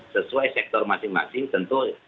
sesuai sektor masing masing tentu